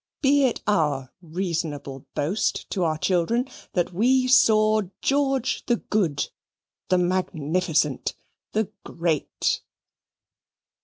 be it our reasonable boast to our children, that we saw George the Good, the Magnificent, the Great.